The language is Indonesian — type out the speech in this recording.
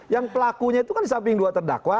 yang pelakunya itu kan di samping dua terdakwa